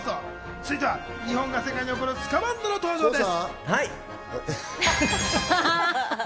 続いては日本が世界に誇るスカバンドの登場です。